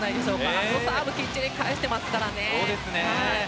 あのサーブをきっちり返してますからね。